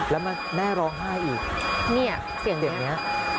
แล้วแม่ร้องไห้อีกเสียงเด็ดนี้